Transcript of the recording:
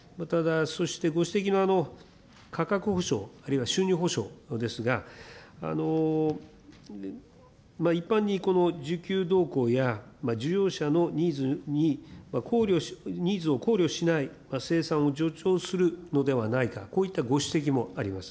ご指摘の価格保障、あるいは収入保障ですが、一般にこの需給動向や需要者のニーズを考慮しない、生産を助長するのではないか、こういったご指摘もあります。